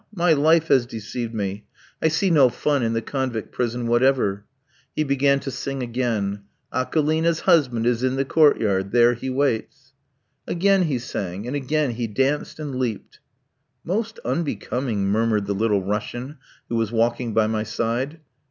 my life has deceived me. I see no fun in the convict prison whatever." He began to sing again. Akolina's husband is in the court yard. There he waits. Again he sang, and again he danced and leaped. "Most unbecoming!" murmured the Little Russian, who was walking by my side.